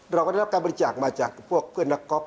เราก็ได้รับการบริจาคมาจากพวกเพื่อนนักกอล์